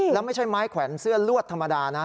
แล้วไม่ใช่ไม้แขวนเสื้อลวดธรรมดานะ